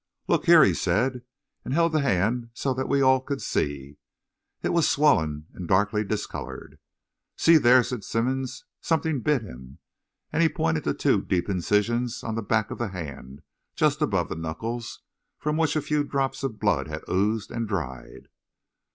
"Look here," he said, and held the hand so that we all could see. It was swollen and darkly discoloured. "See there," said Simmonds, "something bit him," and he pointed to two deep incisions on the back of the hand, just above the knuckles, from which a few drops of blood had oozed and dried.